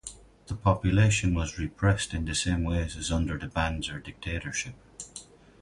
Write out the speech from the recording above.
The population was repressed in the same ways as under the Banzer dictatorship.